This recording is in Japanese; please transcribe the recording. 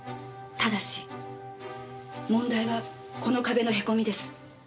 ただし問題はこの壁の凹みです。